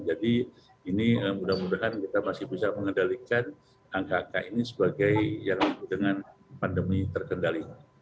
jadi ini mudah mudahan kita masih bisa mengendalikan angka angka ini sebagai yang dengan pandemi terkendali